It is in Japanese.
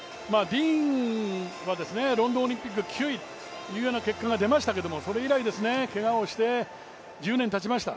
ディーンはロンドンオリンピック９位という結果が出ましたがそれ以来、けがをして１０年たちました。